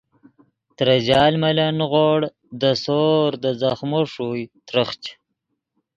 ترے جال ملن نیغوڑ دے سور دے ځخمو ݰوئے ترخچ